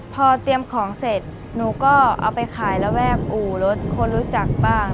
พอเตรียมของเสร็จหนูก็เอาไปขายระแวกอู่รถคนรู้จักบ้าง